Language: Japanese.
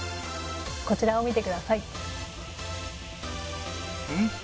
こちらを見てください。